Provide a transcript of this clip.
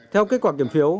theo kết quả kiểm phiếu